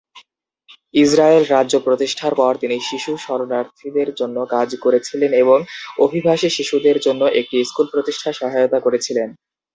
Israel রাজ্য প্রতিষ্ঠার পর, তিনি শিশু শরণার্থীদের জন্য কাজ করেছিলেন এবং অভিবাসী শিশুদের জন্য একটি স্কুল প্রতিষ্ঠায় সহায়তা করেছিলেন।